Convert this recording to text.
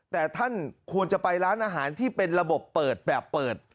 แต่ท่านควรจะไปร้านอาหารที่เป็นระบบเปิดแบบเปิด